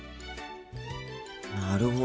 なるほど。